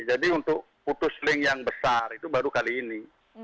jadi untuk putus sling yang besar itu baru kali ini